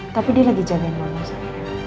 tapi dia lagi jamin mama saya